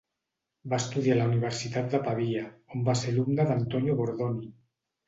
Va estudiar a la universitat de Pavia on va ser alumne d'Antonio Bordoni.